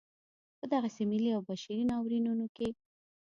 په دغسې ملي او بشري ناورینونو کې.